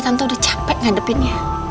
tante udah capek ngadepinnya